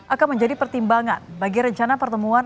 akan menjadi pertimbangan bagi rencana pertemuan